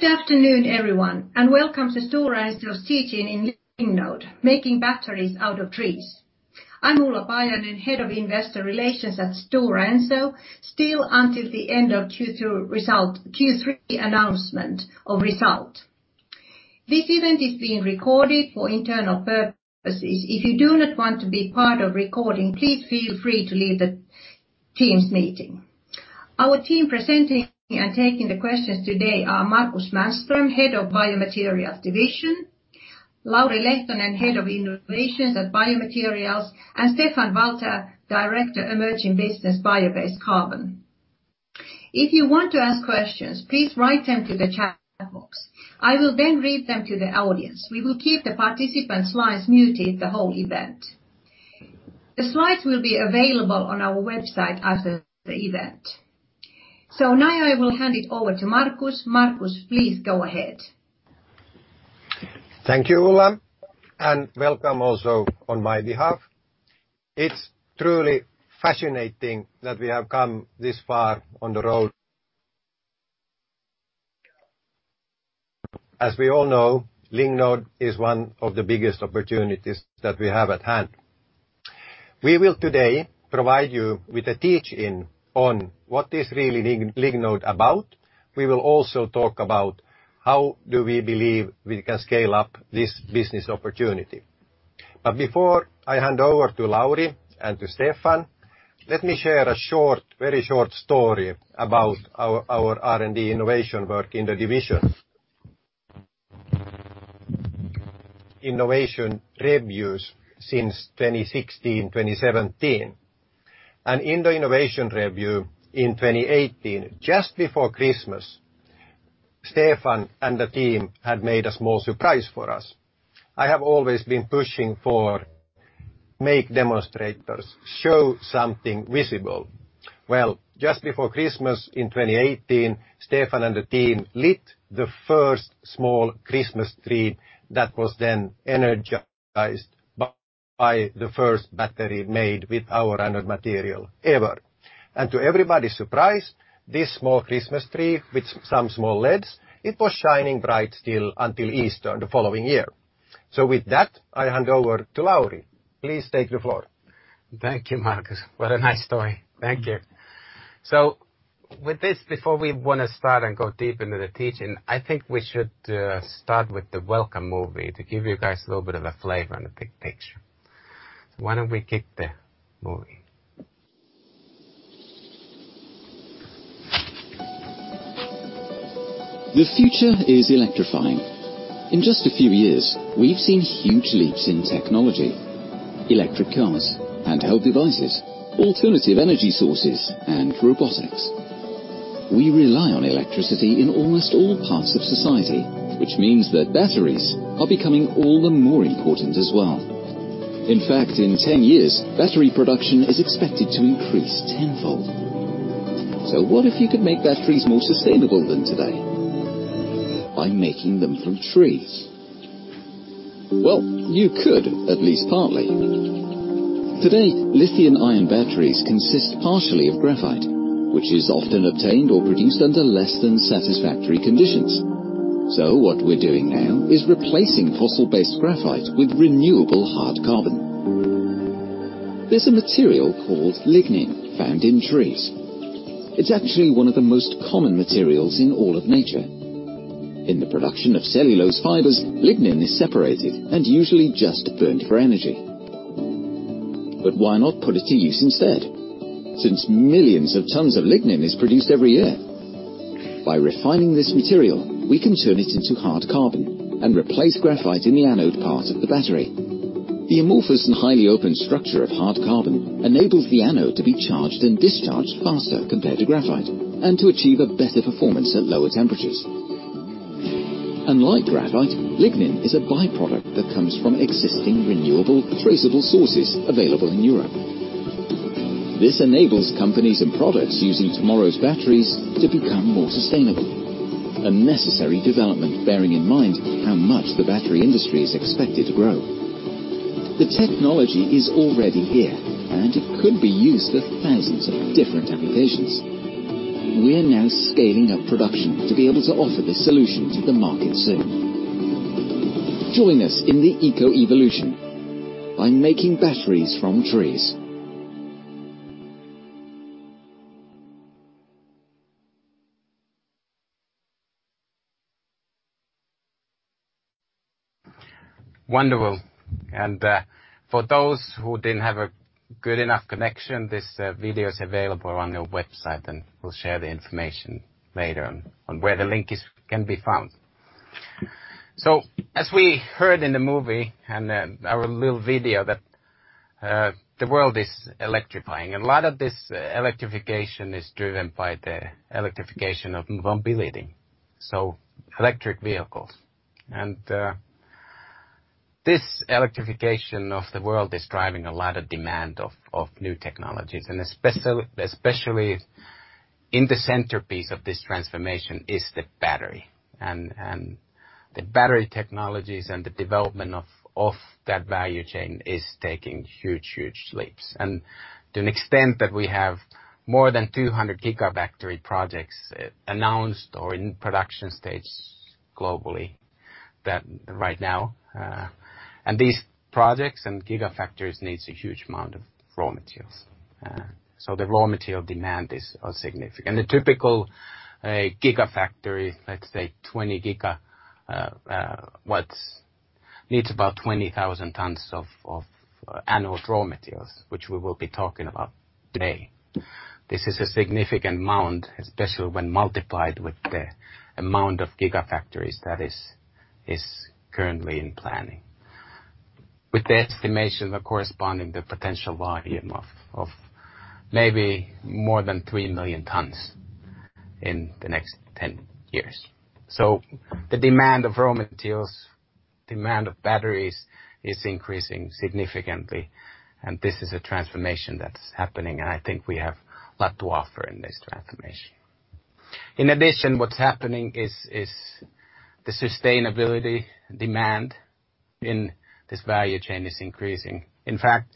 Good afternoon, everyone, welcome to Stora Enso's teach-in in Lignode, Making Batteries out of Trees. I'm Ulla Paajanen, head of investor relations at Stora Enso, still until the end of Q3 announcement of result. This event is being recorded for internal purposes. If you do not want to be part of recording, please feel free to leave the Teams meeting. Our team presenting and taking the questions today are Markus Mannström, head of Biomaterials Division, Lauri Lehtonen, head of innovations at biomaterials, Stephan Walter, director, emerging business bio-based carbon. If you want to ask questions, please write them to the chat box. I will read them to the audience. We will keep the participants' lines muted the whole event. The slides will be available on our website after the event. Now I will hand it over to Markus. Markus, please go ahead. Thank you, Ulla, and welcome also on my behalf. It's truly fascinating that we have come this far on the road. As we all know, Lignode is one of the biggest opportunities that we have at hand. We will today provide you with a teach-in on what is really Lignode about. We will also talk about how do we believe we can scale up this business opportunity. Before I hand over to Lauri and to Stephan, let me share a very short story about our R&D innovation work in the division. Innovation reviews since 2016, 2017, and in the innovation review in 2018, just before Christmas, Stephan and the team had made a small surprise for us. I have always been pushing for make demonstrators, show something visible. Just before Christmas in 2018, Stephan and the team lit the first small Christmas tree that was then energized by the first battery made with our anode material ever. To everybody's surprise, this small Christmas tree, with some small LEDs, it was shining bright still until Easter the following year. With that, I hand over to Lauri. Please state your floor. Thank you, Markus. What a nice story. Thank you. With this, before we want to start and go deep into the teach-in, I think we should start with the welcome movie to give you guys a little bit of a flavor on the big picture. Why don't we kick the movie? The future is electrifying. In just a few years, we've seen huge leaps in technology, electric cars, handheld devices, alternative energy sources, and robotics. We rely on electricity in almost all parts of society, which means that batteries are becoming all the more important as well. In fact, in 10 years, battery production is expected to increase 10-fold. What if you could make batteries more sustainable than today by making them from trees? Well, you could, at least partly. Today, lithium-ion batteries consist partially of graphite, which is often obtained or produced under less than satisfactory conditions. What we're doing now is replacing fossil-based graphite with renewable hard carbon. There's a material called lignin found in trees. It's actually one of the most common materials in all of nature. In the production of cellulose fibers, lignin is separated and usually just burned for energy. Why not put it to use instead, since millions of tons of lignin is produced every year? By refining this material, we can turn it into hard carbon and replace graphite in the anode part of the battery. The amorphous and highly open structure of hard carbon enables the anode to be charged and discharged faster compared to graphite, and to achieve a better performance at lower temperatures. Unlike graphite, lignin is a by-product that comes from existing renewable, traceable sources available in Europe. This enables companies and products using tomorrow's batteries to become more sustainable, a necessary development bearing in mind how much the battery industry is expected to grow. The technology is already here, and it could be used for thousands of different applications. We are now scaling up production to be able to offer this solution to the market soon. Join us in the eco-evolution by making batteries from trees. Wonderful. For those who didn't have a good enough connection, this video is available on your website, and we'll share the information later on where the link can be found. As we heard in the movie and our little video that the world is electrifying, a lot of this electrification is driven by the electrification of mobility, so electric vehicles. This electrification of the world is driving a lot of demand of new technologies. Especially in the centerpiece of this transformation is the battery, and the battery technologies and the development of that value chain is taking huge leaps. To an extent that we have more than 200 gigafactory projects announced or in production stage globally right now. These projects and gigafactories need a huge amount of raw materials. The raw material demand is significant. The typical gigafactory, let's say 20 giga, needs about 20,000 tons of annual raw materials, which we will be talking about today. This is a significant amount, especially when multiplied with the amount of gigafactories that is currently in planning. With the estimation, the corresponding potential volume of maybe more than 3 million tons in the next 10 years. The demand of raw materials, demand of batteries, is increasing significantly, and this is a transformation that's happening, and I think we have a lot to offer in this transformation. In addition, what's happening is the sustainability demand in this value chain is increasing. In fact,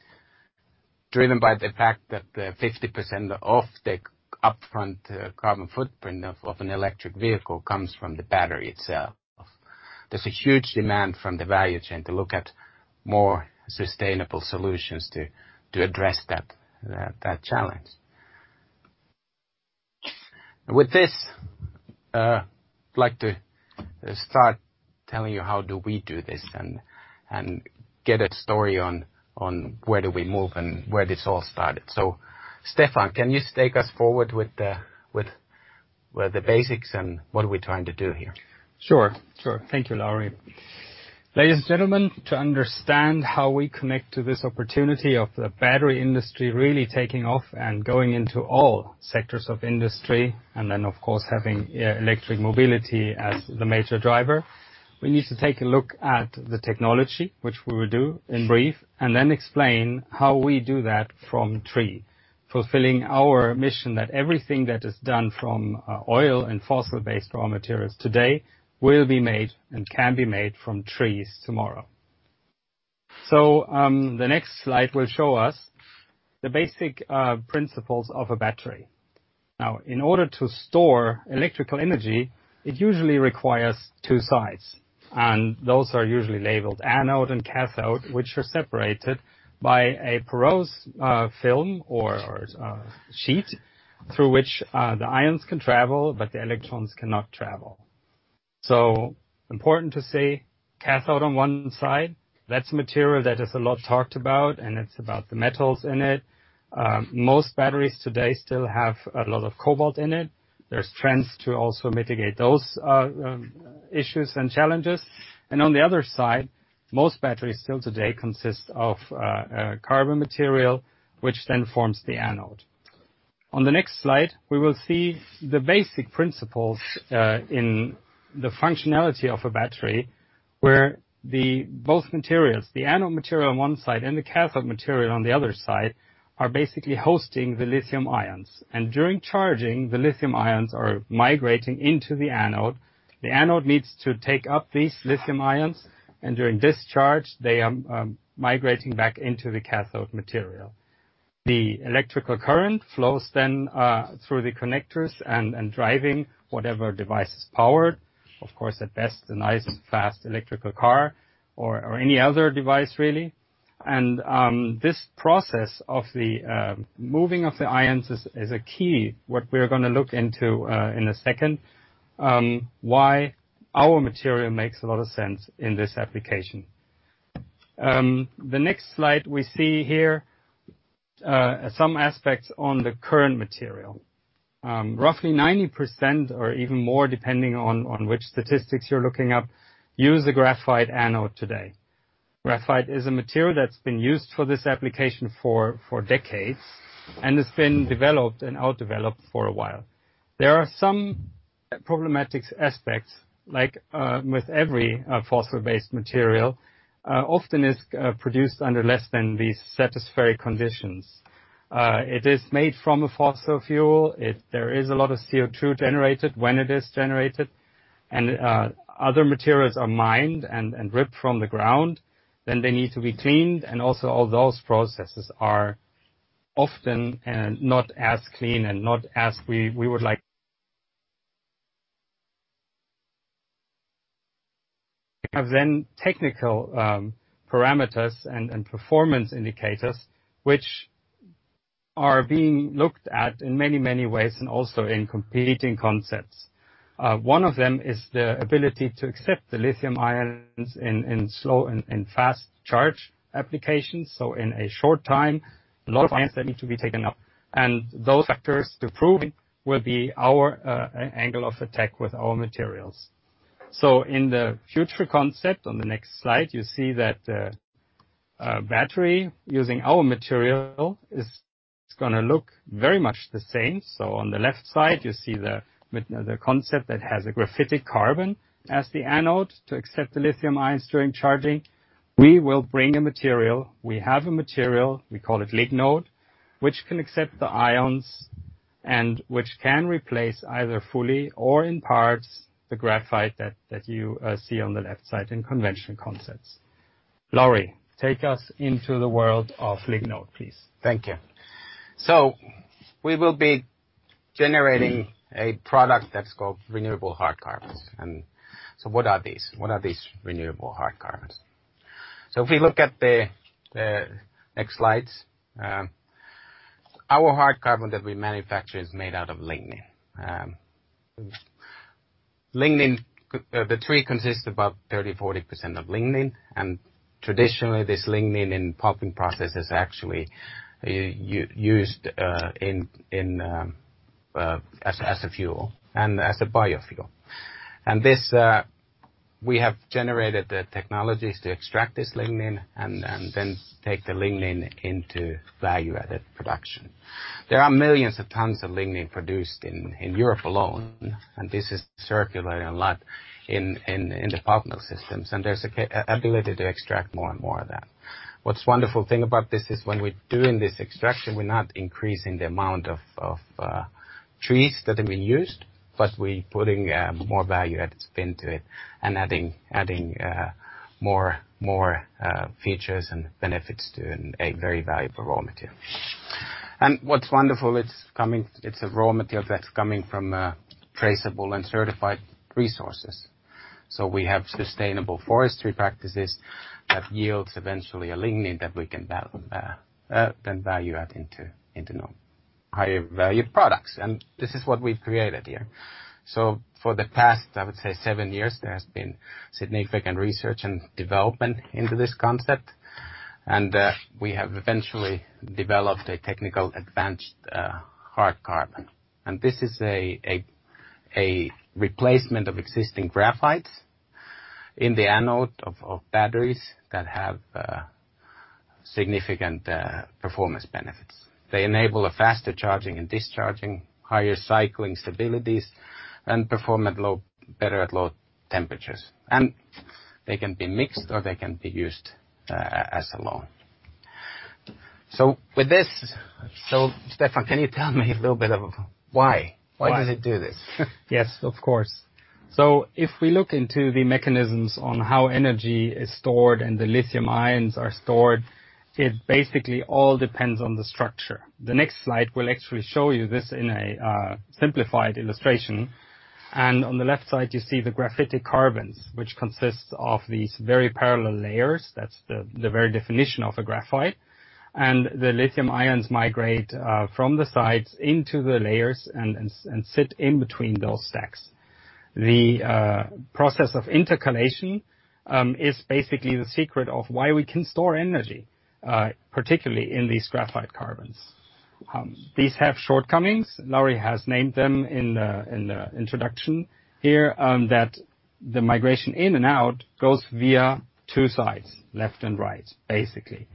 driven by the fact that 50% of the upfront carbon footprint of an electric vehicle comes from the battery itself. There's a huge demand from the value chain to look at more sustainable solutions to address that challenge. With this, I'd like to start telling you how do we do this, and get a story on where do we move and where this all started. Stephan, can you take us forward with the basics and what are we trying to do here? Sure. Thank you, Lauri. Ladies and gentlemen, to understand how we connect to this opportunity of the battery industry really taking off and going into all sectors of industry, and then, of course, having electric mobility as the major driver, we need to take a look at the technology, which we will do in brief, and then explain how we do that from tree. Fulfilling our mission that everything that is done from oil and fossil-based raw materials today will be made and can be made from trees tomorrow. The next slide will show us the basic principles of a battery. In order to store electrical energy, it usually requires two sides, and those are usually labeled anode and cathode, which are separated by a porous film or a sheet through which the ions can travel, but the electrons cannot travel. Important to say, cathode on one side, that's material that is a lot talked about, and it's about the metals in it. Most batteries today still have a lot of cobalt in it. There's trends to also mitigate those issues and challenges. On the other side, most batteries still today consist of carbon material, which then forms the anode. On the next slide, we will see the basic principles, in the functionality of a battery, where both materials, the anode material on one side and the cathode material on the other side, are basically hosting the lithium ions. During charging, the lithium ions are migrating into the anode. The anode needs to take up these lithium ions, and during discharge, they are migrating back into the cathode material. The electrical current flows then through the connectors and driving whatever device is powered. Of course, at best, a nice fast electrical car or any other device, really. This process of the moving of the ions is a key, what we're going to look into in a second, why our material makes a lot of sense in this application. The next slide we see here, some aspects on the current material. Roughly 90% or even more, depending on which statistics you're looking up, use a graphite anode today. Graphite is a material that's been used for this application for decades, it's been developed and outdeveloped for a while. There are some problematic aspects, like with every fossil-based material, often is produced under less than the satisfactory conditions. It is made from a fossil fuel. There is a lot of CO2 generated when it is generated, and other materials are mined and ripped from the ground. They need to be cleaned, and all those processes are often not as clean and not as we would like. We have technical parameters and performance indicators, which are being looked at in many ways and also in competing concepts. One of them is the ability to accept the lithium ions in slow and fast charge applications. In a short time, a lot of ions that need to be taken up. Those factors to prove it will be our angle of attack with our materials. In the future concept on the next slide, you see that a battery using our material is going to look very much the same. On the left side, you see the concept that has a graphitic carbon as the anode to accept the lithium ions during charging. We will bring a material. We have a material, we call it Lignode, which can accept the ions and which can replace either fully or in parts, the graphite that you see on the left side in conventional concepts. Lauri, take us into the world of Lignode, please. Thank you. We will be generating a product that's called renewable hard carbons. What are these renewable hard carbons? If we look at the next slides, our hard carbon that we manufacture is made out of lignin. The tree consists about 30%-40% of lignin, and traditionally this lignin in pulping process is actually used as a fuel and as a biofuel. We have generated the technologies to extract this lignin and then take the lignin into value-added production. There are millions of tons of lignin produced in Europe alone, and this is circulating a lot in the pulp mill systems, and there's ability to extract more and more of that. What's wonderful thing about this is when we're doing this extraction, we're not increasing the amount of trees that have been used, but we putting more value-added spin to it and adding more features and benefits to a very valuable raw material. What's wonderful, it's a raw material that's coming from traceable and certified resources. We have sustainable forestry practices that yields eventually a lignin that we can then value add into higher valued products. This is what we've created here. For the past, I would say seven years, there has been significant research and development into this concept, and we have eventually developed a technical advanced hard carbon. This is a replacement of existing graphites in the anode of batteries that have significant performance benefits. They enable a faster charging and discharging, higher cycling stabilities, and perform better at low temperatures. They can be mixed or they can be used as alone. With this, Stephan, can you tell me a little bit of why? Why does it do this? Yes, of course. If we look into the mechanisms on how energy is stored and the lithium ions are stored, it basically all depends on the structure. The next slide will actually show you this in a simplified illustration. On the left side, you see the graphitic carbons, which consists of these very parallel layers. That's the very definition of a graphite. The lithium ions migrate from the sides into the layers and sit in between those stacks. The process of intercalation is basically the secret of why we can store energy, particularly in these graphite carbons. These have shortcomings. Lauri has named them in the introduction here, that the migration in and out goes via two sides, left and right, basically.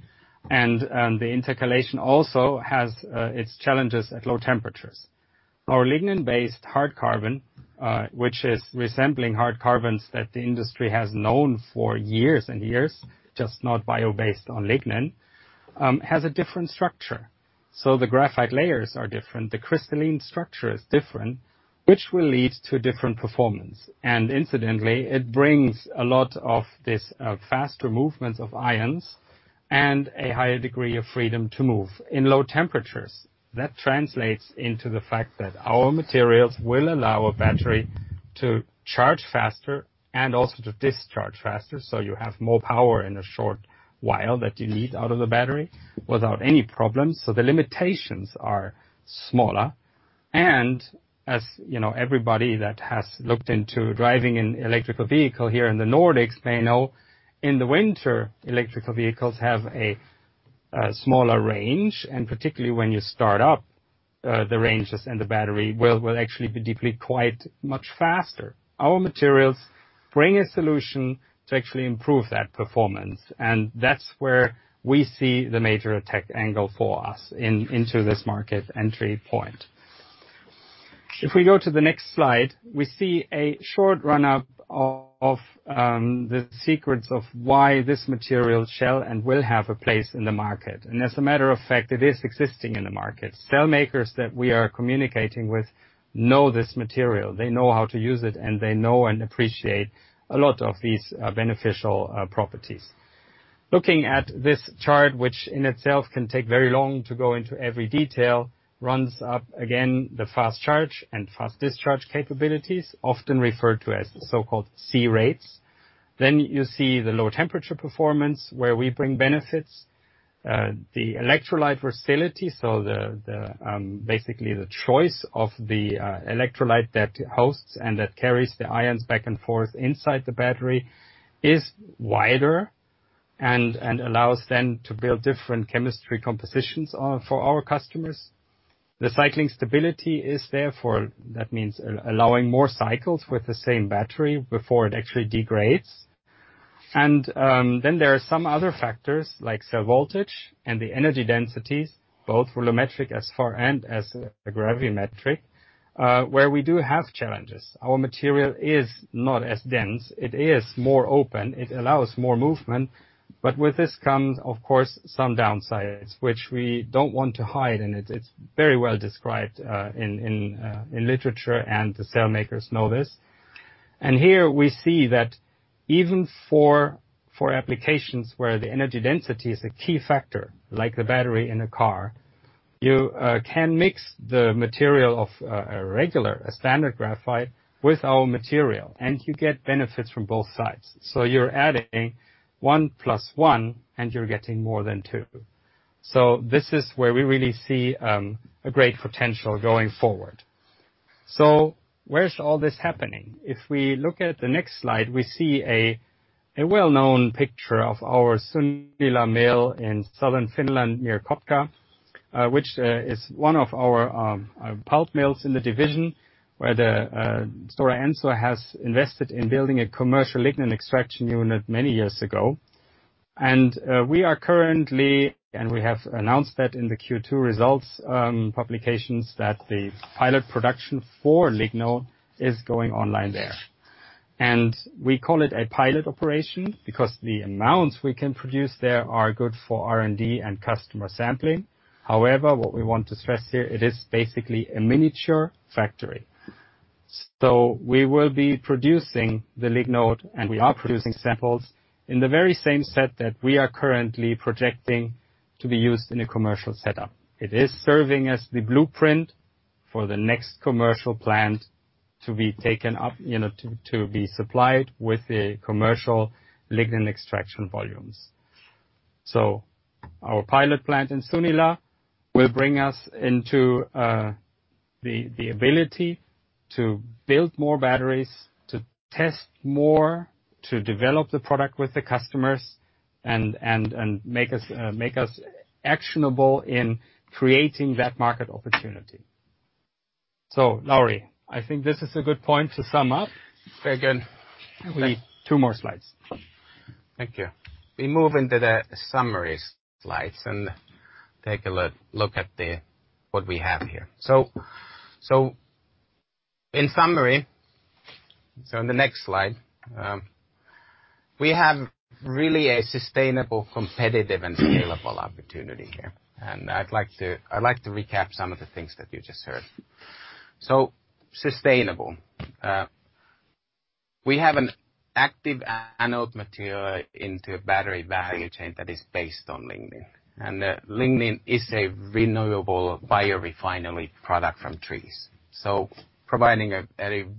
The intercalation also has its challenges at low temperatures. Our lignin-based hard carbon, which is resembling hard carbons that the industry has known for years and years, just not bio-based on lignin, has a different structure. The graphite layers are different, the crystalline structure is different, which will lead to a different performance. Incidentally, it brings a lot of this faster movements of ions and a higher degree of freedom to move in low temperatures. That translates into the fact that our materials will allow a battery to charge faster and also to discharge faster, so you have more power in a short while that you need out of the battery without any problems. The limitations are smaller, and as everybody that has looked into driving an electrical vehicle here in the Nordics may know, in the winter, electrical vehicles have a smaller range, and particularly when you start up the ranges and the battery will actually be depleted quite much faster. Our materials bring a solution to actually improve that performance. That's where we see the major attack angle for us into this market entry point. If we go to the next slide, we see a short run-up of the secrets of why this material shall and will have a place in the market. As a matter of fact, it is existing in the market. Cell makers that we are communicating with know this material. They know how to use it, and they know and appreciate a lot of these beneficial properties. Looking at this chart, which in itself can take very long to go into every detail, runs up again the fast charge and fast discharge capabilities, often referred to as the so-called C-rates. You see the low temperature performance where we bring benefits. The electrolyte versatility, so basically the choice of the electrolyte that hosts and that carries the ions back and forth inside the battery is wider and allows then to build different chemistry compositions for our customers. The cycling stability is therefore, that means allowing more cycles with the same battery before it actually degrades. There are some other factors, like cell voltage and the energy densities, both volumetric as far and as gravimetric, where we do have challenges. Our material is not as dense. It is more open. It allows more movement. With this comes, of course, some downsides, which we don't want to hide, and it's very well described in literature and the cell makers know this. Here we see that even for applications where the energy density is a key factor, like the battery in a car, you can mix the material of a regular, a standard graphite, with our material, and you get benefits from both sides. You're adding one plus one and you're getting more than two. This is where we really see a great potential going forward. Where's all this happening? If we look at the next slide, we see a well-known picture of our Sunila mill in southern Finland near Kotka, which is one of our pulp mills in the division, where the Stora Enso has invested in building a commercial lignin extraction unit many years ago. We are currently, and we have announced that in the Q2 results publications, that the pilot production for Lignode is going online there. We call it a pilot operation because the amounts we can produce there are good for R&D and customer sampling. However, what we want to stress here, it is basically a miniature factory. We will be producing the Lignode, and we are producing samples in the very same set that we are currently projecting to be used in a commercial setup. It is serving as the blueprint for the next commercial plant to be taken up, to be supplied with the commercial lignin extraction volumes. Our pilot plant in Sunila will bring us into the ability to build more batteries, to test more, to develop the product with the customers, and make us actionable in creating that market opportunity. Lauri, I think this is a good point to sum up. Very good. Two more slides. Thank you. We move into the summary slides and take a look at what we have here. In summary, in the next slide, we have really a sustainable, competitive, and scalable opportunity here. I'd like to recap some of the things that you just heard. Sustainable. We have an active anode material into a battery value chain that is based on lignin. Lignin is a renewable biorefinery product from trees, so providing a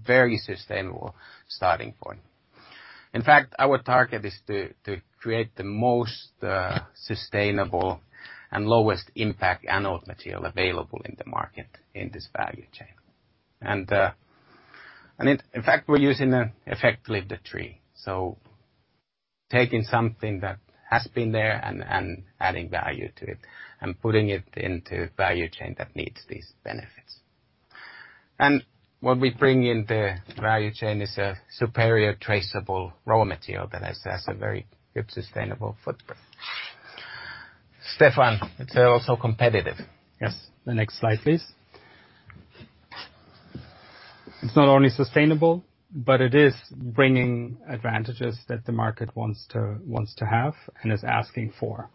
very sustainable starting point. In fact, our target is to create the most sustainable and lowest impact anode material available in the market in this value chain. In fact, we're using effectively the tree. Taking something that has been there and adding value to it and putting it into a value chain that needs these benefits. What we bring in the value chain is a superior, traceable raw material that has a very good sustainable footprint. Stephan, it's also competitive. Yes. The next slide, please. It's not only sustainable, but it is bringing advantages that the market wants to have and is asking for.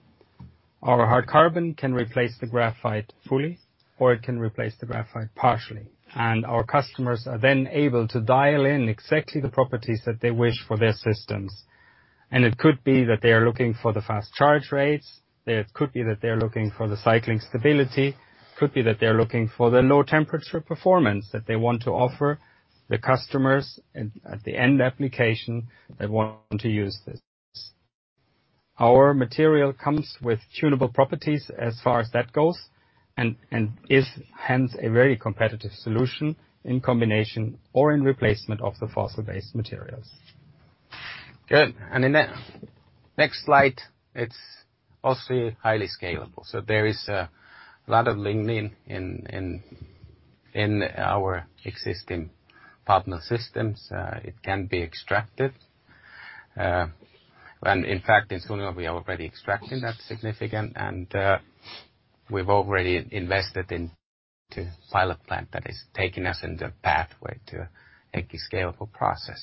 Our hard carbon can replace the graphite fully, or it can replace the graphite partially, and our customers are then able to dial in exactly the properties that they wish for their systems. It could be that they are looking for the fast charge rates, it could be that they're looking for the cycling stability, it could be that they're looking for the low temperature performance that they want to offer the customers at the end application that want to use this. Our material comes with tunable properties as far as that goes, and is hence a very competitive solution in combination or in replacement of the fossil-based materials. Good. In the next slide, it's also highly scalable. There is a lot of lignin in our existing pulp mill systems. It can be extracted. In fact, in Sunila, we are already extracting that significant, and we've already invested into pilot plant that is taking us in the pathway to a scalable process.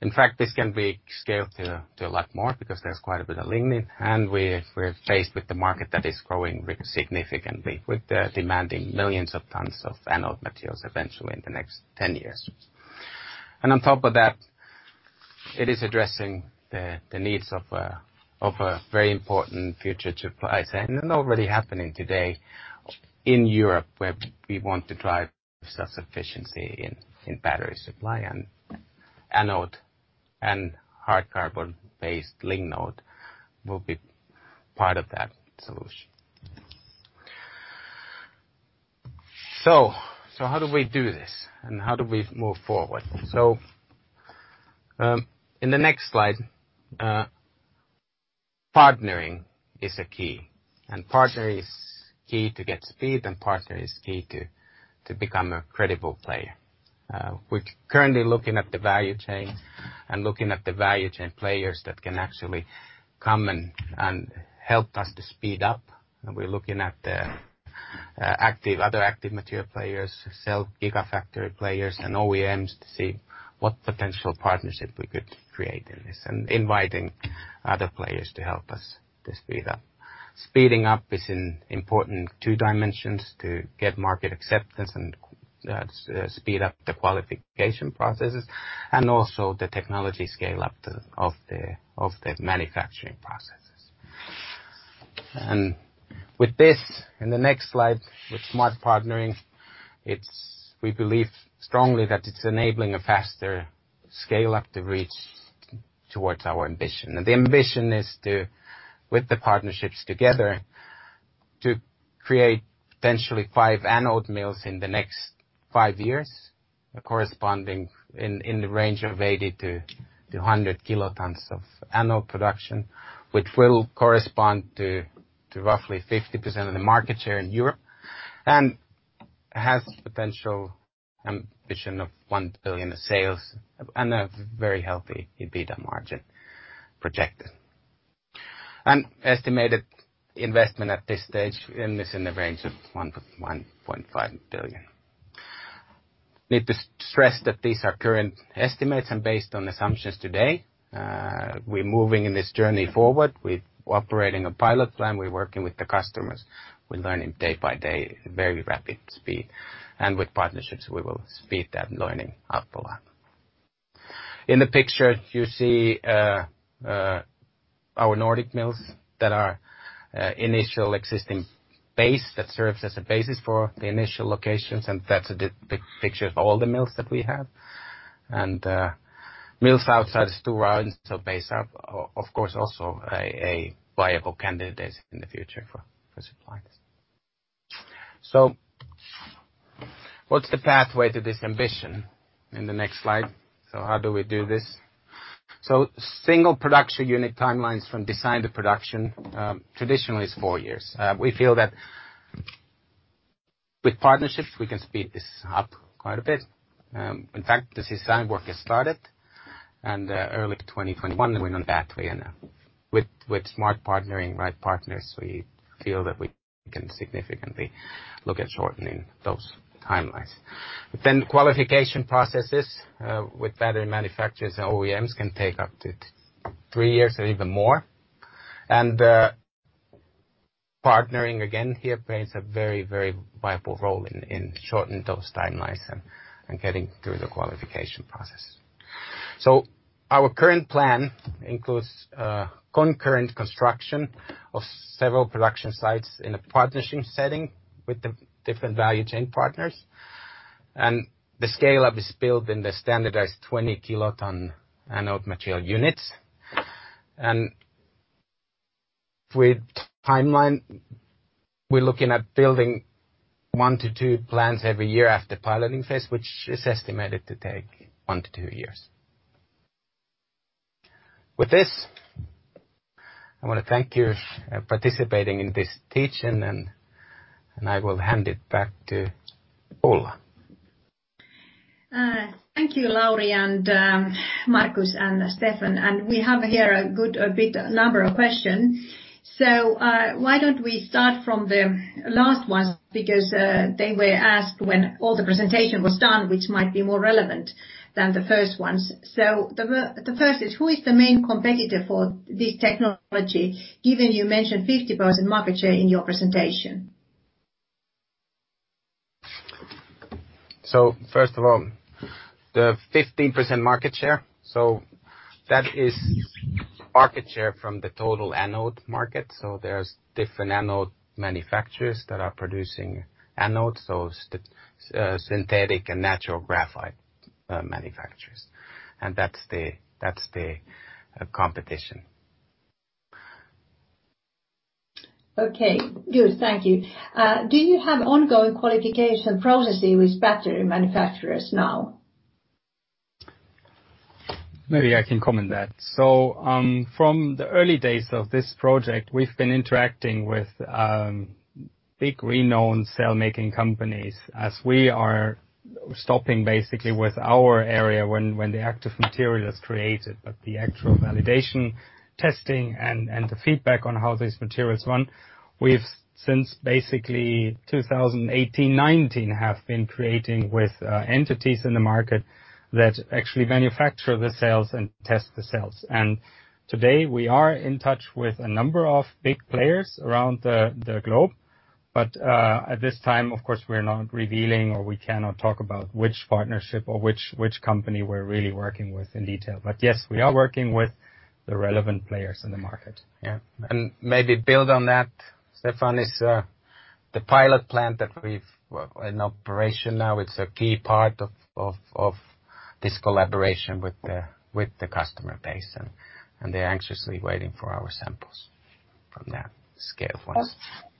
In fact, this can be scaled to a lot more because there's quite a bit of lignin, and we're faced with the market that is growing significantly with demanding millions of tons of anode materials eventually in the next 10 years. On top of that, it is addressing the needs of a very important future supply chain, already happening today in Europe, where we want to drive self-sufficiency in battery supply, and anode and hard carbon-based Lignode will be part of that solution. How do we do this, and how do we move forward? In the next slide, partnering is a key, and partner is key to get speed, and partner is key to become a credible player. We're currently looking at the value chain and looking at the value chain players that can actually come and help us to speed up. We're looking at other active material players, cell gigafactory players, and OEMs to see what potential partnership we could create in this, and inviting other players to help us to speed up. Speeding up is in important two dimensions to get market acceptance and speed up the qualification processes and also the technology scale-up of the manufacturing processes. With this, in the next slide, with smart partnering, we believe strongly that it's enabling a faster scale-up to reach towards our ambition. The ambition is to, with the partnerships together, to create potentially 5 anode mills in the next five years, corresponding in the range of 80-100 kilotons of anode production, which will correspond to roughly 50% of the market share in Europe, and has potential ambition of 1 billion of sales and a very healthy EBITDA margin projected. Estimated investment at this stage in this in the range of 1.5 billion. Need to stress that these are current estimates and based on assumptions today. We're moving in this journey forward. We're operating a pilot plan. We're working with the customers. We're learning day by day, very rapid speed. With partnerships, we will speed that learning up a lot. In the picture, you see our Nordic mills that are initial existing base, that serves as a basis for the initial locations, and that's a picture of all the mills that we have. Mills outside Stora Enso base are, of course, also a viable candidate in the future for supplies. What's the pathway to this ambition? In the next slide. How do we do this? Single production unit timelines from design to production, traditionally is four years. We feel that with partnerships, we can speed this up quite a bit. In fact, this design work has started and early 2021, we're on pathway. With smart partnering, right partners, we feel that we can significantly look at shortening those timelines. Qualification processes, with battery manufacturers and OEMs can take up to three years or even more. Partnering, again, here plays a very viable role in shorten those timelines and getting through the qualification process. Our current plan includes concurrent construction of several production sites in a partnership setting with the different value chain partners. The scale-up is built in the standardized 20-kiloton anode material units. With timeline, we're looking at building one to two plants every year after piloting phase, which is estimated to take one to two years. With this, I want to thank you participating in this teach-in, and I will hand it back to Ulla. Thank you, Lauri and Markus, and Stephan. We have here a good bit number of questions. Why don't we start from the last ones, because they were asked when all the presentation was done, which might be more relevant than the first ones. The first is, who is the main competitor for this technology, given you mentioned 50% market share in your presentation? First of all, the 15% market share. That is market share from the total anode market. There's different anode manufacturers that are producing anodes, so synthetic and natural graphite manufacturers. That's the competition. Okay. Good. Thank you. Do you have ongoing qualification processes with battery manufacturers now? Maybe I can comment that. From the early days of this project, we've been interacting with big renowned cell-making companies, as we are stopping basically with our area when the active material is created. The actual validation testing and the feedback on how these materials run, we've since basically 2018, 2019, have been creating with entities in the market that actually manufacture the cells and test the cells. Today we are in touch with a number of big players around the globe. At this time, of course, we're not revealing or we cannot talk about which partnership or which company we're really working with in detail. Yes, we are working with the relevant players in the market. Yeah. Maybe build on that, Stephan, is the pilot plant that we've in operation now, it's a key part of this collaboration with the customer base, and they're anxiously waiting for our samples from that scale for us.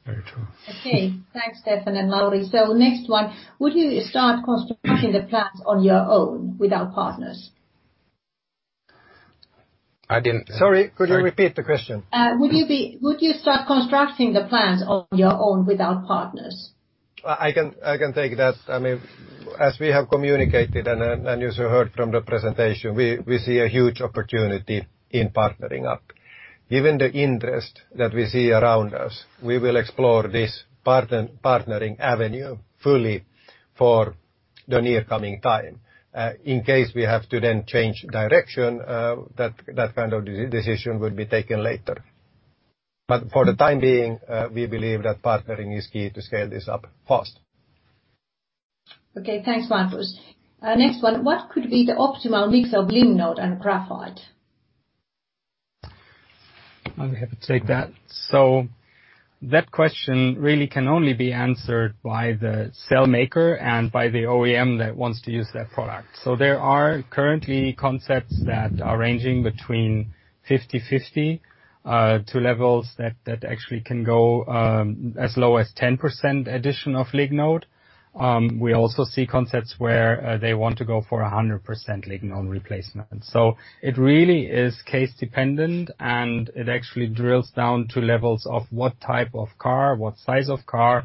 Very true. Okay. Thanks, Stephan and Lauri. Next one, would you start constructing the plants on your own without partners? I didn't. Sorry, could you repeat the question? Would you start constructing the plants on your own without partners? I can take that. As we have communicated, and as you heard from the presentation, we see a huge opportunity in partnering up. Given the interest that we see around us, we will explore this partnering avenue fully for the near coming time. In case we have to then change direction, that kind of decision would be taken later. For the time being, we believe that partnering is key to scale this up fast. Okay, thanks, Markus. Next one, what could be the optimal mix of Lignode and graphite? I'm happy to take that. That question really can only be answered by the cell maker and by the OEM that wants to use that product. There are currently concepts that are ranging between 50/50, to levels that actually can go as low as 10% addition of Lignode. We also see concepts where they want to go for 100% Lignode replacement. It really is case dependent, and it actually drills down to levels of what type of car, what size of car,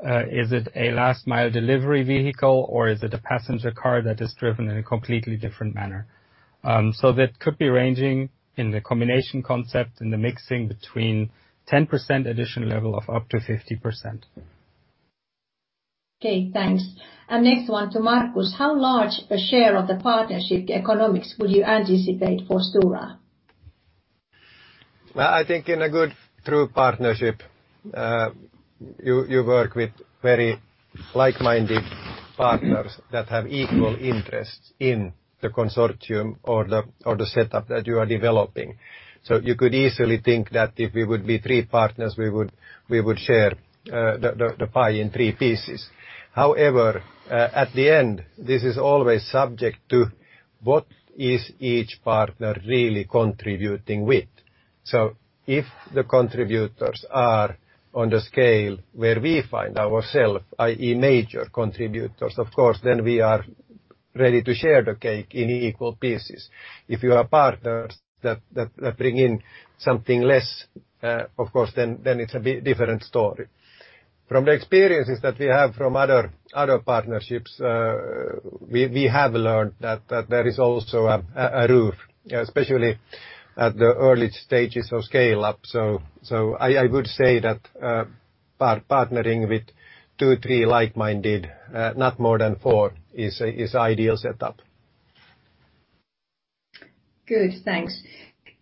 is it a last mile delivery vehicle, or is it a passenger car that is driven in a completely different manner? That could be ranging in the combination concept in the mixing between 10% addition level of up to 50%. Okay, thanks. Next one to Markus, how large a share of the partnership economics would you anticipate for Stora? I think in a good true partnership, you work with very like-minded partners that have equal interests in the consortium or the setup that you are developing. You could easily think that if we would be three partners, we would share the pie in three pieces. At the end, this is always subject to what is each partner really contributing with. If the contributors are on the scale where we find ourselves, i.e. major contributors, of course, then we are ready to share the cake in equal pieces. If you are partners that bring in something less, of course, then it's a different story. From the experiences that we have from other partnerships, we have learned that there is also a roof, especially at the early stages of scale-up. I would say that partnering with two, three like-minded, not more than four is ideal setup. Good, thanks.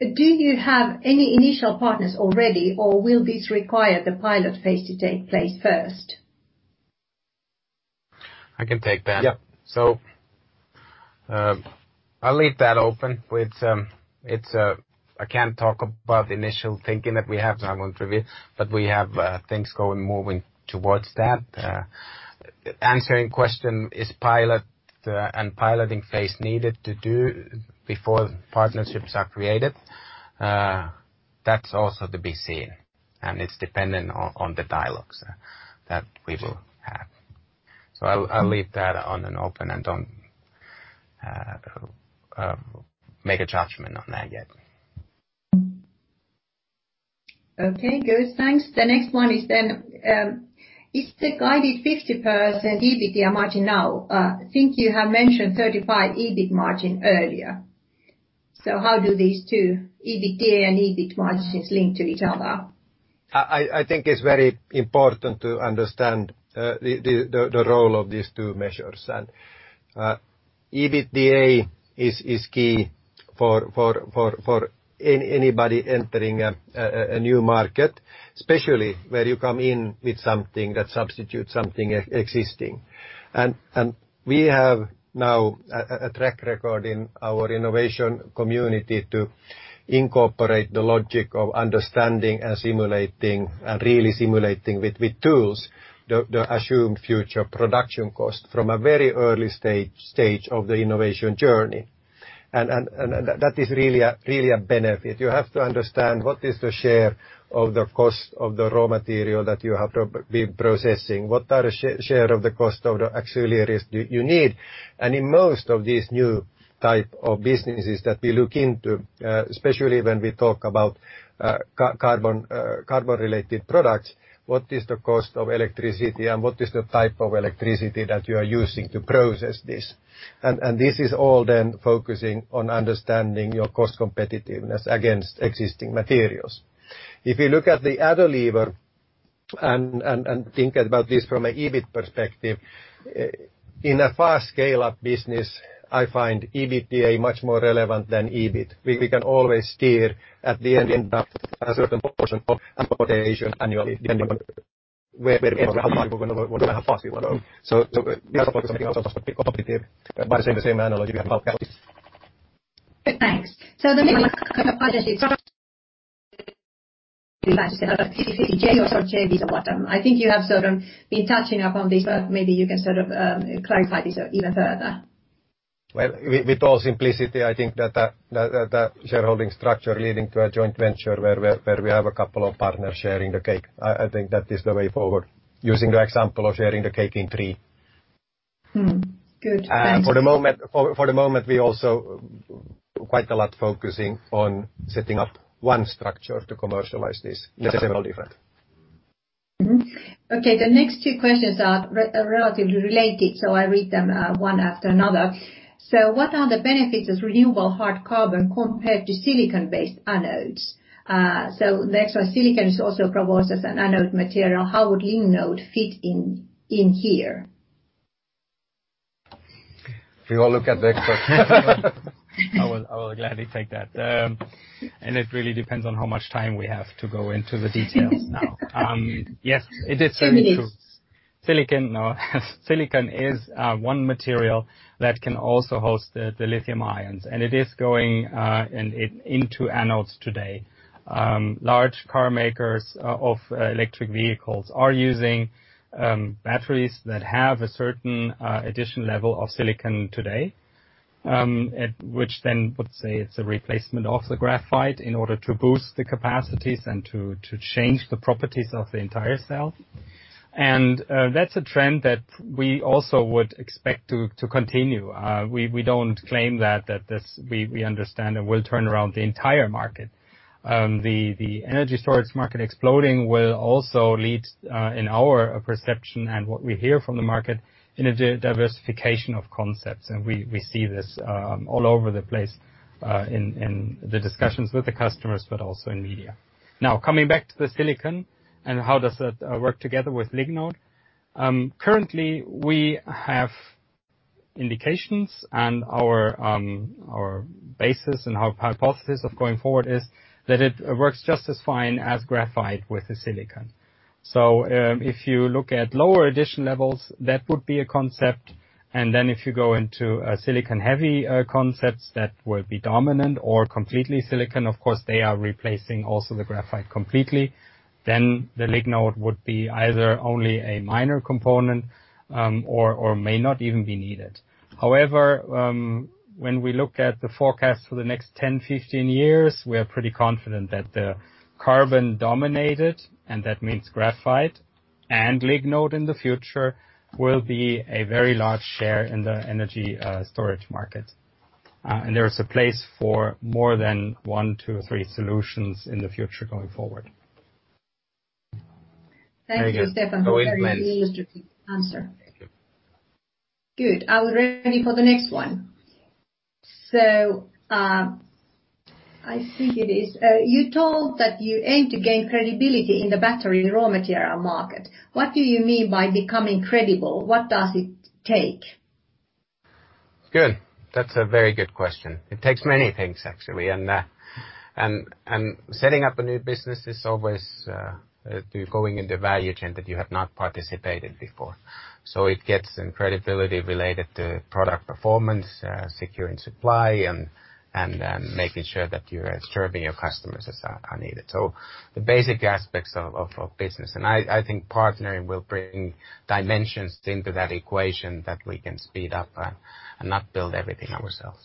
Do you have any initial partners already, or will this require the pilot phase to take place first? I can take that. Yep. I'll leave that open with, I can talk about the initial thinking that we have. I won't reveal, but we have things going, moving towards that. Answering question, is pilot and piloting phase needed to do before partnerships are created? That's also to be seen, and it's dependent on the dialogues that we will have. I'll leave that on an open, and don't make a judgment on that yet. Okay, good. Thanks. The next one is the guided 50% EBITDA margin now? I think you have mentioned 35% EBIT margin earlier. How do these two EBITDA and EBIT margins link to each other? I think it's very important to understand the role of these two measures. EBITDA is key for anybody entering a new market, especially where you come in with something that substitutes something existing. We have now a track record in our innovation community to incorporate the logic of understanding and simulating and really simulating with tools the assumed future production cost from a very early stage of the innovation journey. That is really a benefit. You have to understand what is the share of the cost of the raw material that you have to be processing. What are the share of the cost of the auxiliaries do you need? In most of these new type of businesses that we look into, especially when we talk about carbon-related products, what is the cost of electricity and what is the type of electricity that you are using to process this? This is all focusing on understanding your cost competitiveness against existing materials. If you look at the other lever and think about this from an EBIT perspective, in a fast scale-up business, I find EBITDA much more relevant than EBIT. We can always steer at the end in a certain proportion of amortization annually, depending on where we want to, how much we want to, and how fast we want to. We are focusing also on competitive by the same analogy we have with capital. Thanks. The next one I think you have sort of been touching upon this, but maybe you can sort of clarify this even further. Well, with all simplicity, I think that shareholding structure leading to a joint venture where we have a couple of partners sharing the cake, I think that is the way forward. Using the example of sharing the cake in three. Good. Thanks. For the moment, we also quite a lot focusing on setting up one structure to commercialize this instead of several different. The next two questions are relatively related, I read them one after another. What are the benefits of renewable hard carbon compared to silicon-based anodes? The extra silicon is also proposed as an anode material. How would Lignode fit in here? We all look at the expert. I will gladly take that. It really depends on how much time we have to go into the details now. Yes, it is certainly true. Silicon is one material that can also host the lithium ions. It is going into anodes today. Large car makers of electric vehicles are using batteries that have a certain addition level of silicon today, which then would say it's a replacement of the graphite in order to boost the capacities and to change the properties of the entire cell. That's a trend that we also would expect to continue. We don't claim that this, we understand, and will turn around the entire market. The energy storage market exploding will also lead, in our perception and what we hear from the market, in a diversification of concepts. We see this all over the place in the discussions with the customers, but also in media. Coming back to the silicon and how does that work together with Lignode. We have indications, and our basis and our hypothesis of going forward is that it works just as fine as graphite with the silicon. If you look at lower addition levels, that would be a concept, and then if you go into silicon-heavy concepts that will be dominant or completely silicon, of course, they are replacing also the graphite completely, then the Lignode would be either only a minor component or may not even be needed. When we look at the forecast for the next 10, 15 years, we are pretty confident that the carbon-dominated, and that means graphite, and Lignode in the future, will be a very large share in the energy storage market. There is a place for more than one, two, three solutions in the future going forward. Thank you, Stephan. No worries. Very lovely, illustrative answer. Good. Are we ready for the next one? I think it is. You told that you aim to gain credibility in the battery raw material market. What do you mean by becoming credible? What does it take? Good. That's a very good question. It takes many things, actually. Setting up a new business is always going in the value chain that you have not participated before. It gets in credibility related to product performance, securing supply, and making sure that you're serving your customers as needed. The basic aspects of business. I think partnering will bring dimensions into that equation that we can speed up and not build everything ourselves.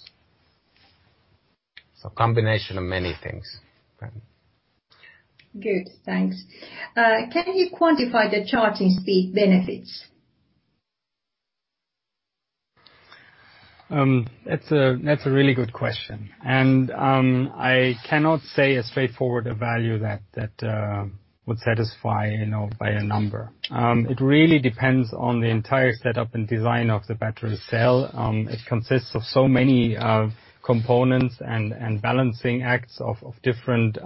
Combination of many things. Good, thanks. Can you quantify the charging speed benefits? That's a really good question. I cannot say a straightforward value that would satisfy by a number. It really depends on the entire setup and design of the battery cell. It consists of so many components and balancing acts of different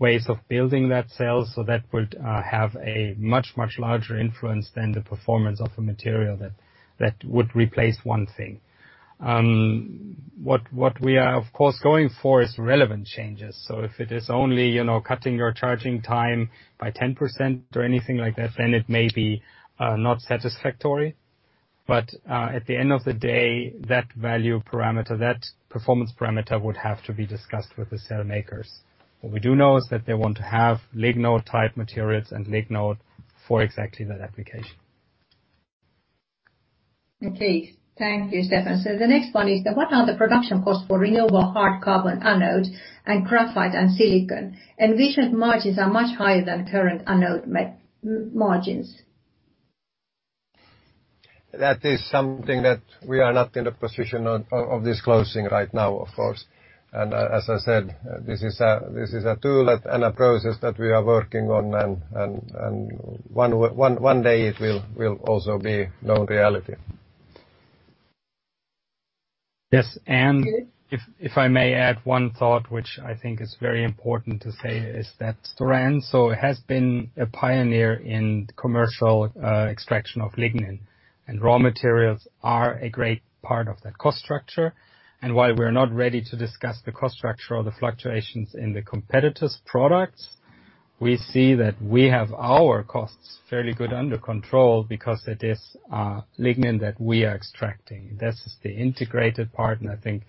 ways of building that cell, that would have a much, much larger influence than the performance of a material that would replace one thing. What we are, of course, going for is relevant changes. If it is only cutting your charging time by 10% or anything like that, then it may be not satisfactory, at the end of the day, that value parameter, that performance parameter would have to be discussed with the cell makers. What we do know is that they want to have Lignode type materials and Lignode for exactly that application. Okay. Thank you, Stephan. The next one is that what are the production costs for renewable hard carbon anodes and graphite and silicon? Envisioned margins are much higher than current anode margins. That is something that we are not in a position of disclosing right now, of course. As I said, this is a tool and a process that we are working on, and one day it will also be known reality. Yes. If I may add one thought, which I think is very important to say, is that Stora Enso has been a pioneer in commercial extraction of lignin, and raw materials are a great part of that cost structure. While we're not ready to discuss the cost structure or the fluctuations in the competitors' products, we see that we have our costs fairly good under control because it is lignin that we are extracting. That's the integrated part, I think,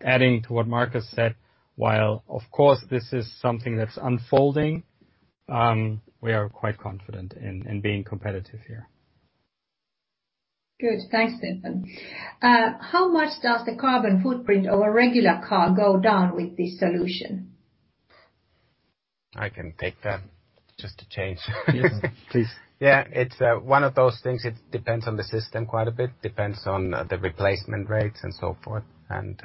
adding to what Markus said, while of course this is something that's unfolding, we are quite confident in being competitive here. Good. Thanks, Stephan. How much does the carbon footprint of a regular car go down with this solution? I can take that just to change. Please. Yeah, it's one of those things, it depends on the system quite a bit, depends on the replacement rates and so forth, and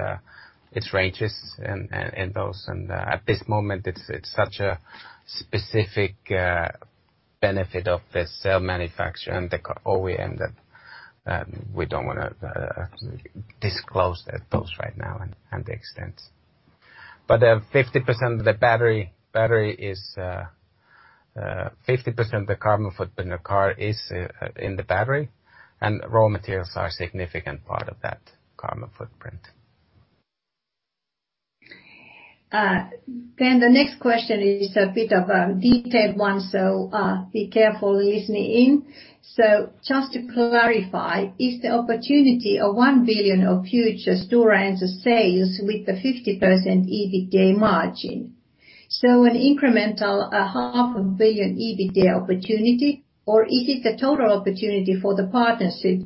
its ranges in those. At this moment, it's such a specific benefit of the cell manufacturer and the OEM, and we don't want to disclose those right now and the extent. 50% of the battery is 50% of the carbon footprint in the car is in the battery. Raw materials are a significant part of that carbon footprint. The next question is a bit of a detailed one, be careful listening in. Just to clarify, is the opportunity of 1 billion of future Stora Enso sales with the 50% EBITDA margin, an incremental half a billion EUR EBITDA opportunity? Or is it the total opportunity for the partnership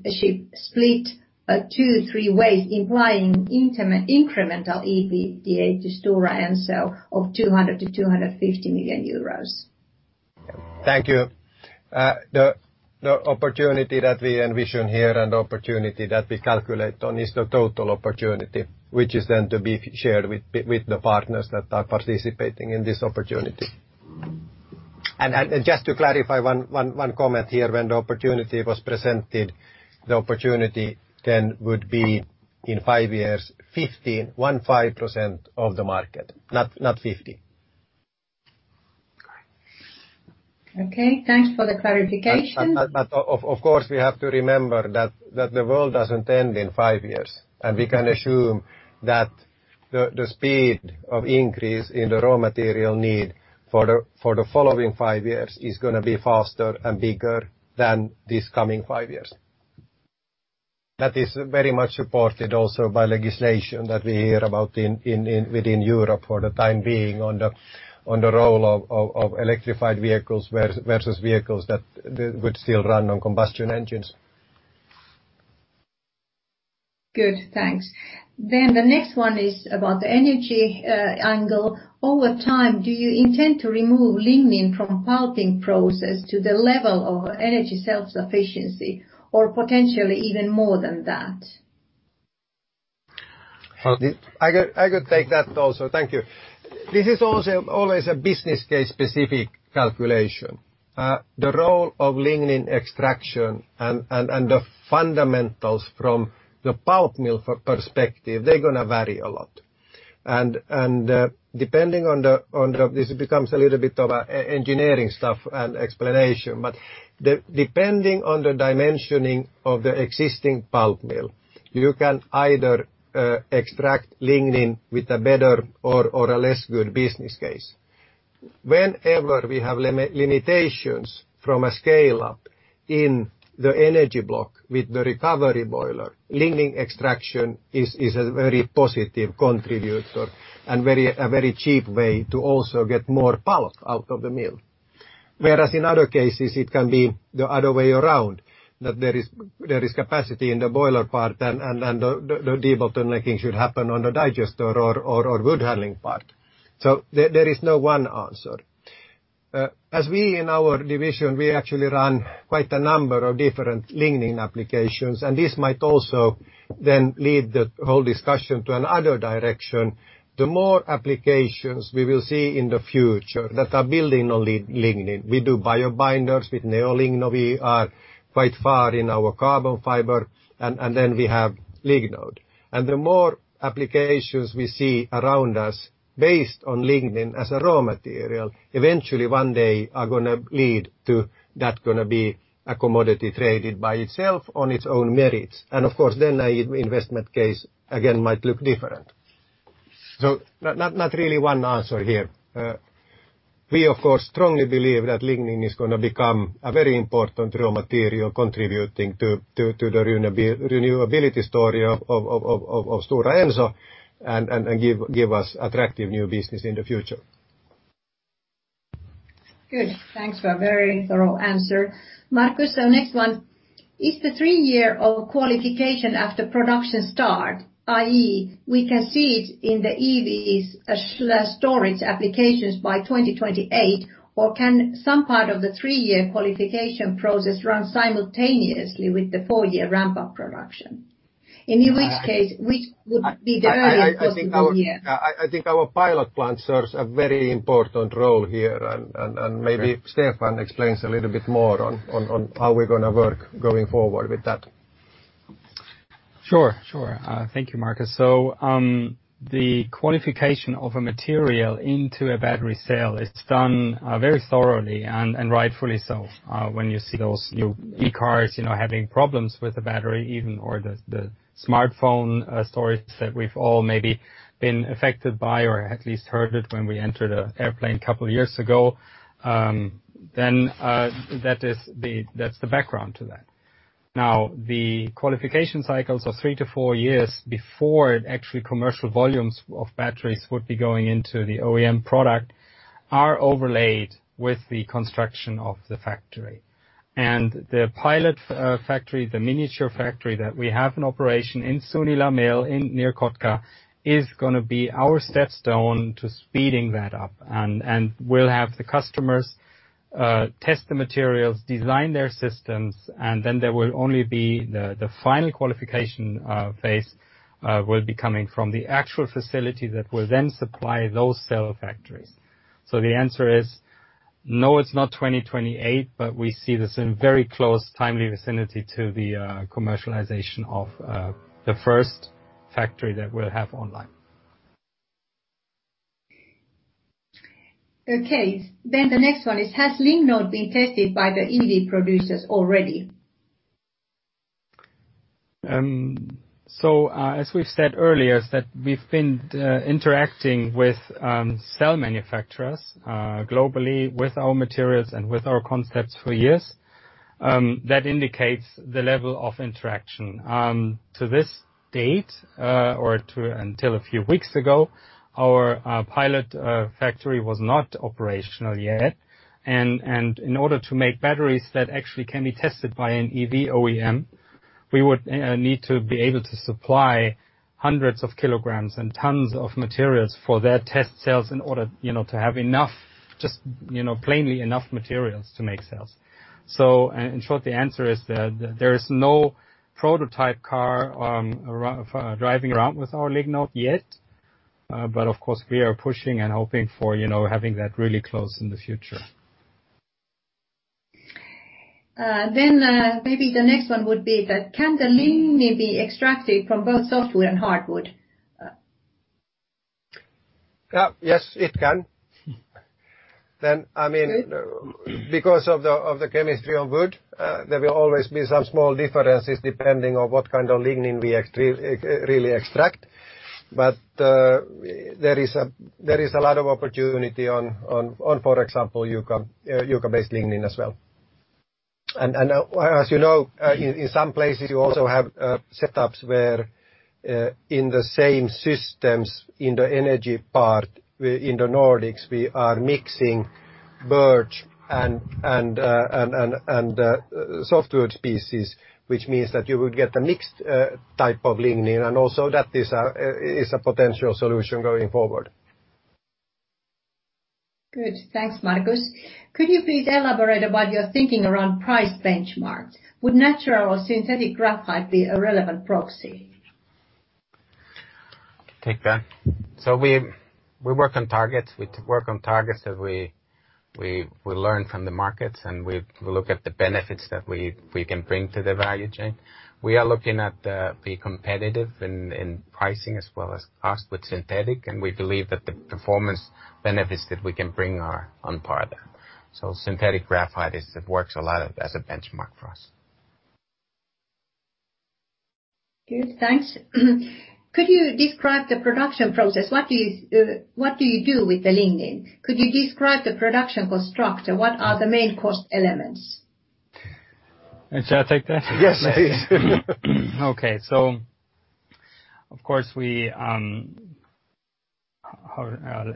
split two, three ways implying incremental EBITDA to Stora Enso of 200 million-250 million euros? Thank you. The opportunity that we envision here and the opportunity that we calculate on is the total opportunity, which is then to be shared with the partners that are participating in this opportunity. Just to clarify one comment here, when the opportunity was presented, the opportunity then would be in five years, 15% of the market, not 50%. Okay. Thanks for the clarification. Of course, we have to remember that the world doesn't end in five years, and we can assume that the speed of increase in the raw material need for the following five years is going to be faster and bigger than these coming five years. That is very much supported also by legislation that we hear about within Europe for the time being on the role of electrified vehicles versus vehicles that would still run on combustion engines. Good. Thanks. The next one is about the energy angle. Over time, do you intend to remove lignin from pulping process to the level of energy self-sufficiency or potentially even more than that? I could take that also. Thank you. This is also always a business case specific calculation. The role of lignin extraction and the fundamentals from the pulp mill perspective, they're going to vary a lot. Depending on the, this becomes a little bit of engineering stuff and explanation, but depending on the dimensioning of the existing pulp mill, you can either extract lignin with a better or a less good business case. Whenever we have limitations from a scale-up in the energy block with the recovery boiler, lignin extraction is a very positive contributor and a very cheap way to also get more pulp out of the mill. Whereas in other cases, it can be the other way around, that there is capacity in the boiler part and the debottlenecking should happen on the digester or wood handling part. There is no one answer. As we in our division, we actually run quite a number of different lignin applications, and this might also then lead the whole discussion to another direction. The more applications we will see in the future that are building on lignin. We do biobinders with NeoLigno. We are quite far in our carbon fiber. We have Lignode. The more applications we see around us based on lignin as a raw material, eventually one day are going to lead to that going to be a commodity traded by itself on its own merits. Of course, then investment case again might look different. Not really one answer here. We, of course strongly believe that lignin is going to become a very important raw material contributing to the renewability story of Stora Enso and give us attractive new business in the future. Good. Thanks for a very thorough answer. Markus, next one. Is the three-year of qualification after production start, i.e., we can see it in the EVs/storage applications by 2028, or can some part of the three-year qualification process run simultaneously with the four-year ramp-up production? In which case, which would be the early possible year? I think our pilot plant serves a very important role here, and maybe Stephan explains a little bit more on how we're going to work going forward with that. Thank you, Markus. The qualification of a material into a battery cell is done very thoroughly and rightfully so, when you see those new e-cars having problems with the battery even, or the smartphone stories that we've all maybe been affected by, or at least heard it when we entered an airplane a couple of years ago, that's the background to that. The qualification cycles of three to four years before actually commercial volumes of batteries would be going into the OEM product are overlaid with the construction of the factory. The pilot factory, the miniature factory that we have in operation in Sunila mill near Kotka, is going to be our stepstone to speeding that up. We'll have the customers test the materials, design their systems, and then there will only be the final qualification phase will be coming from the actual facility that will then supply those cell factories. The answer is, no, it's not 2028, but we see this in very close timely vicinity to the commercialization of the first factory that we'll have online. Okay. The next one is, has Lignode been tested by the EV producers already? As we've said earlier, is that we've been interacting with cell manufacturers globally with our materials and with our concepts for years. That indicates the level of interaction. To this date, or until a few weeks ago, our pilot factory was not operational yet, and in order to make batteries that actually can be tested by an EV OEM, we would need to be able to supply hundreds of kilograms and tons of materials for their test cells in order to have enough materials to make cells. In short, the answer is that there is no prototype car driving around with our Lignode yet. Of course, we are pushing and hoping for having that really close in the future. Maybe the next one would be that can the lignin be extracted from both softwood and hardwood? Yes, it can. Because of the chemistry of wood, there will always be some small differences depending on what kind of lignin we really extract. There is a lot of opportunity on, for example, eucalyptus-based lignin as well. As you know, in some places you also have setups where, in the same systems, in the energy part, in the Nordics, we are mixing birch and softwood species, which means that you would get a mixed type of lignin, and also that is a potential solution going forward. Good. Thanks, Markus. Could you please elaborate about your thinking around price benchmark? Would natural or synthetic graphite be a relevant proxy? I can take that. We work on targets that we learn from the markets, and we look at the benefits that we can bring to the value chain. We are looking at being competitive in pricing as well as cost with synthetic, and we believe that the performance benefits that we can bring are on par there. Synthetic graphite works a lot as a benchmark for us. Good, thanks. Could you describe the production process? What do you do with the lignin? Could you describe the production cost structure? What are the main cost elements? Shall I take that? Yes, please. Okay.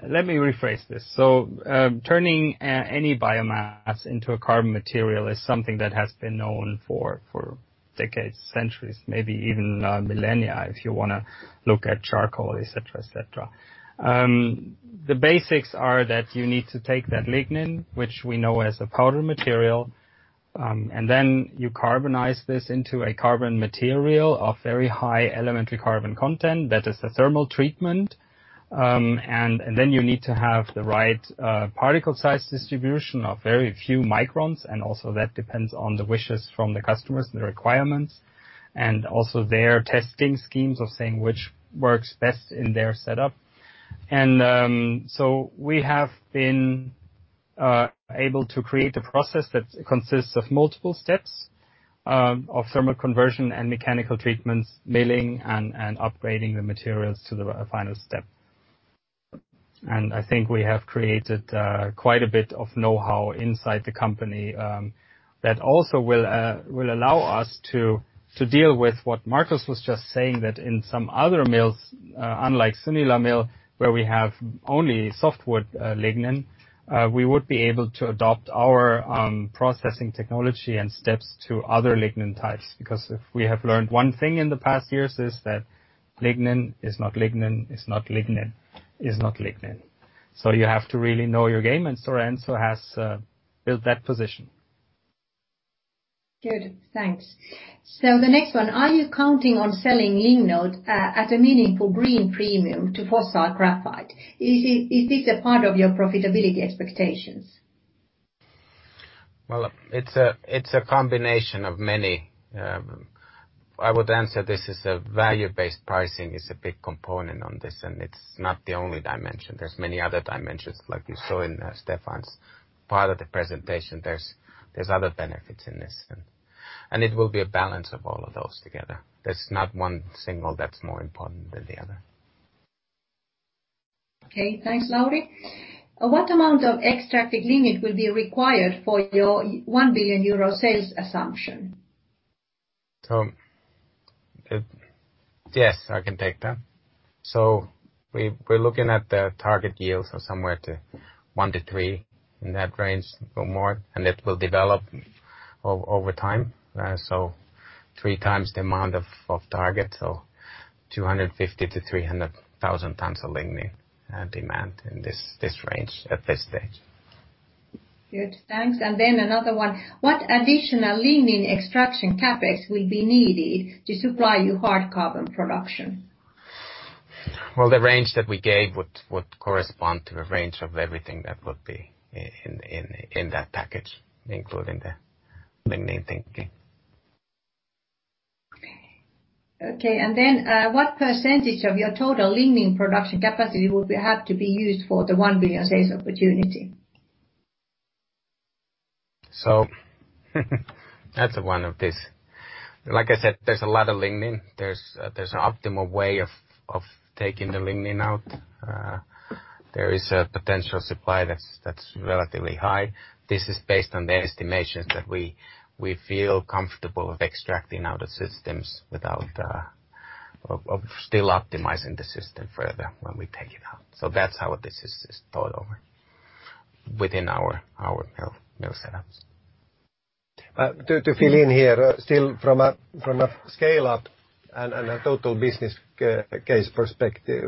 Let me rephrase this. Turning any biomass into a carbon material is something that has been known for decades, centuries, maybe even millennia, if you want to look at charcoal, etc. The basics are that you need to take that lignin, which we know as a powder material, and then you carbonize this into a carbon material of very high elementary carbon content. That is the thermal treatment. You need to have the right particle size distribution of very few microns, and also that depends on the wishes from the customers and the requirements, and also their testing schemes of saying which works best in their setup. We have been able to create a process that consists of multiple steps, of thermal conversion and mechanical treatments, milling, and upgrading the materials to the final step. I think we have created quite a bit of know-how inside the company, that also will allow us to deal with what Markus was just saying, that in some other mills, unlike Sunila mill, where we have only softwood lignin, we would be able to adopt our processing technology and steps to other lignin types. If we have learned one thing in the past years, is that lignin is not lignin, is not lignin, is not lignin. You have to really know your game, and Stora Enso has built that position. Good, thanks. The next one, are you counting on selling Lignode at a meaningful green premium to fossil graphite? Is this a part of your profitability expectations? Well, it is a combination of many. I would answer, value-based pricing is a big component on this, and it is not the only dimension. There is many other dimensions, like you saw in Stephan's part of the presentation. There is other benefits in this, and it will be a balance of all of those together. There is not one single that is more important than the other. Okay, thanks, Lauri. What amount of extracted lignin will be required for your 1 billion euro sales assumption? Yes, I can take that. We're looking at the target yields of somewhere one to three, in that range, or more, and it will develop over time. Three times demand of target, 250,000-300,000 tons of lignin demand in this range at this stage. Good, thanks. Another one, what additional lignin extraction CapEx will be needed to supply you hard carbon production? Well, the range that we gave would correspond to the range of everything that would be in that package, including the lignin thinking. Okay. Then what percent of your total lignin production capacity would have to be used for the 1 billion sales opportunity? That's one of this. Like I said, there's a lot of lignin. There's an optimal way of taking the lignin out. There is a potential supply that's relatively high. This is based on the estimations that we feel comfortable with extracting out of systems without still optimizing the system further when we take it out. That's how this is thought over within our mill setups. To fill in here, still from a scale-up and a total business case perspective,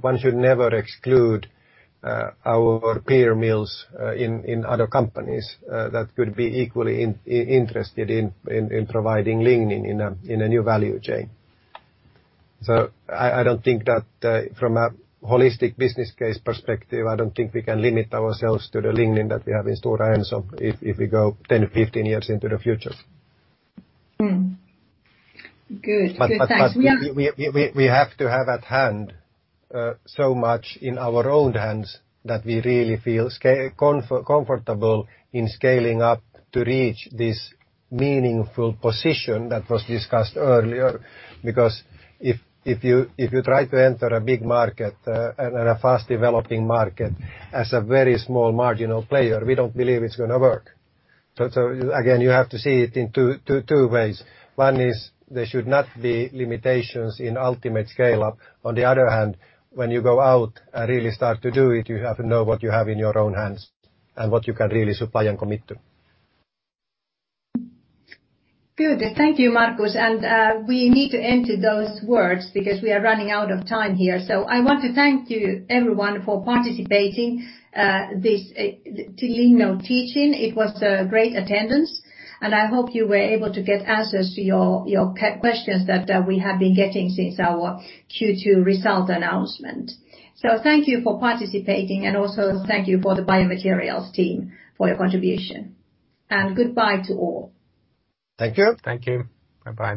one should never exclude our peer mills in other companies that could be equally interested in providing lignin in a new value chain. I don't think that from a holistic business case perspective, we can limit ourselves to the lignin that we have in Stora Enso, if we go 10-15 years into the future. Good, thanks. We have to have at hand so much in our own hands that we really feel comfortable in scaling up to reach this meaningful position that was discussed earlier. If you try to enter a big market and a fast-developing market as a very small marginal player, we don't believe it's going to work. Again, you have to see it in two ways. One is there should not be limitations in ultimate scale-up. On the other hand, when you go out and really start to do it, you have to know what you have in your own hands and what you can really supply and commit to. Good. Thank you, Markus. We need to end with those words because we are running out of time here. I want to thank you, everyone, for participating this lignin teach-in. It was a great attendance, and I hope you were able to get answers to your questions that we have been getting since our Q2 result announcement. Thank you for participating, and also thank you for the biomaterials team for your contribution. Goodbye to all. Thank you. Thank you. Bye-bye.